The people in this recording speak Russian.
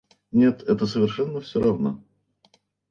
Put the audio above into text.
Нет, это совершенно все равно.